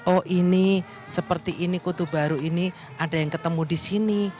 oh ini seperti ini kutub baru ini ada yang ketemu di sini